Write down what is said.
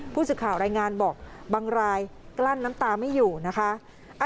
ผู้สื่อข่าวรายงานบอกบางรายกลั้นน้ำตาไม่อยู่นะคะ